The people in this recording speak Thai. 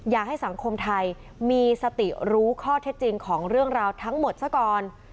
อยากให้สังคมไทยมีสติรู้ข้อเท็จจริงของเรื่องราวทั้งหมดซะก่อน